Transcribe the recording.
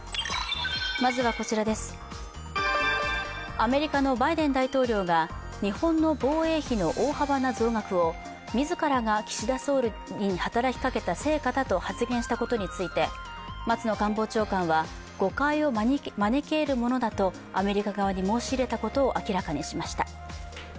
アメリカのバイデン大統領が日本の防衛費の大幅な増額を自らが岸田総理に働きかけた成果だと発言したことについて、松野官房長官は誤解を招き得るものだとアメリカ側に申し入れたことを明らかにしました。